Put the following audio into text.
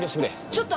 ちょっと。